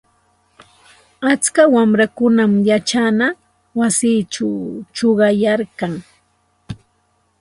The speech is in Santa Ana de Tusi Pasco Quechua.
Atska wamrakunam yachana wasichaw chuqayarkan.